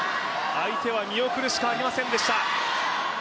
相手は見送るしかありませんでした。